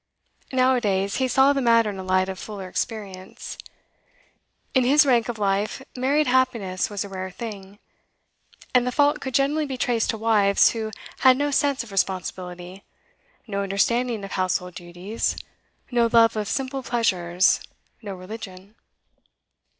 Nowadays he saw the matter in a light of fuller experience. In his rank of life married happiness was a rare thing, and the fault could generally be traced to wives who had no sense of responsibility, no understanding of household duties, no love of simple pleasures, no religion.